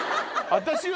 私は。